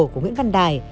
của nguyễn văn đài